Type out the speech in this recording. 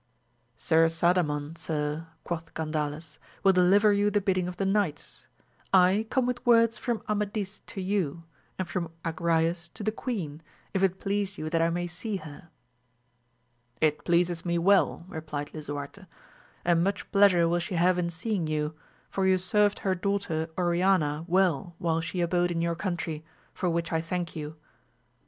Sir Sadamon, sir, quoth Gandales, will deliver you the bidding of the knights. I come with words from Amadis to you, and from Agrayes to the queen, if it please you that I may see her. It pleases me well, replied Lisuarte, and much pleasure will shq have in seeing you, for you served her daughter Oriana well while she abode in your country, for which I thank you.